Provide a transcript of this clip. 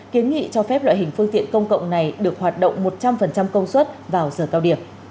kiến nghị cho phép loại hình phương tiện công cộng này được hoạt động một trăm linh công suất vào giờ cao điểm